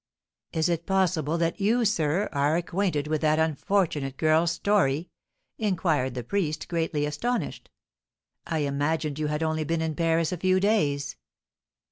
"Is it possible that you, sir, are acquainted with that unfortunate girl's story?" inquired the priest, greatly astonished. "I imagined you had only been in Paris a few days."